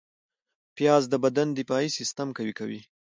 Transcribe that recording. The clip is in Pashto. پیاز د بدن دفاعي سیستم قوي کوي